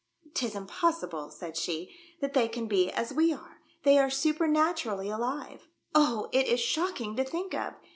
" 'Tis impossible," said she, " that they can be as we are. They are supernaturally alive. Oh ! it is shocking to think of.